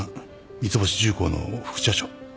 三ツ星重工の副社長。